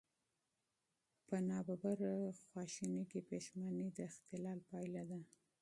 په ناڅاپه غوسه کې پښېماني د اختلال پایله ده.